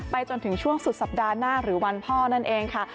จนถึงช่วงสุดสัปดาห์หน้าหรือวันพ่อนั่นเองค่ะ